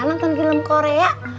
nanti aku nonton film film yang lain